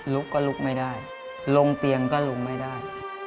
ลุกก็ลุกไม่ได้ลงเตียงก็ลงไม่ได้